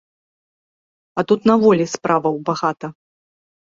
А тут, на волі, справаў багата.